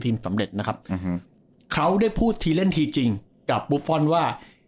สำเร็จนะครับเขาได้พูดทีเล่นทีจริงกับบุฟฟอลว่า